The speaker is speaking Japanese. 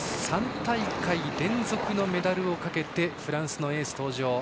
３大会連続のメダルをかけてフランスのエースが登場。